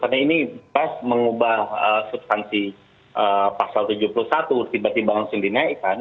karena ini pas mengubah substansi pasal tujuh puluh satu tiba tiba langsung dinaikan